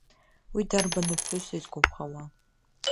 Уи дарбаны ԥҳәысу изгәаԥхауа?